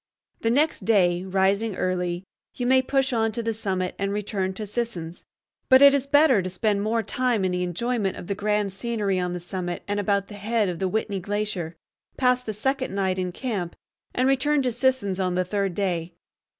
The next day, rising early, you may push on to the summit and return to Sisson's. But it is better to spend more time in the enjoyment of the grand scenery on the summit and about the head of the Whitney Glacier, pass the second night in camp, and return to Sisson's on the third day.